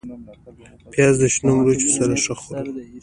پیاز د شنو مرچو سره ښه خوري